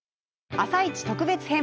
「あさイチ」特別編。